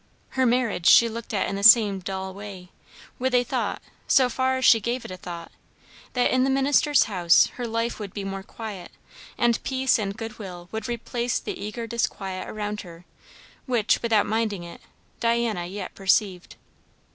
Her marriage she looked at in the same dull way; with a thought, so far as she gave it a thought, that in the minister's house her life would be more quiet, and peace and good will would replace the eager disquiet around her which, without minding it, Diana yet perceived.